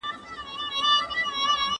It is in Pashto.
¬ په بازيو کي بنگړي ماتېږي.